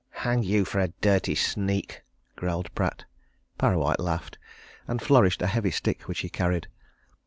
"Hang you for a dirty sneak!" growled Pratt. Parrawhite laughed, and flourished a heavy stick which he carried.